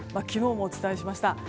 昨日もお伝えしました。